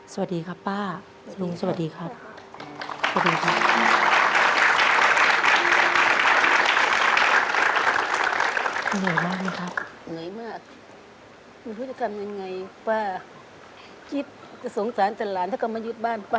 สวัสดีครับป้าลุงสวัสดีครับ